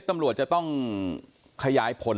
ตำรวจจะต้องขยายผล